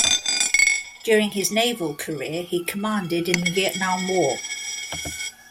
During his naval career he commanded in the Vietnam War.